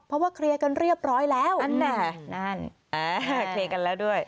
เพราะว่าเคลียร์กันเรียบร้อยแล้วนั่นแหละนั่นอ่าเคลียร์กันแล้วด้วย